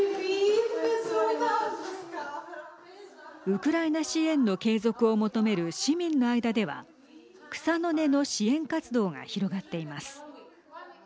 ウクライナ支援の継続を求める市民の間では草の根の支援活動が広がっています。